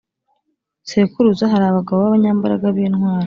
sekuruza bari abagabo b abanyambaraga b intwari